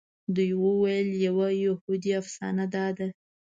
دوی ویل یوه یهودي افسانه داده.